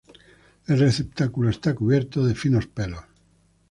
El receptáculo está cubierto de finos pelos.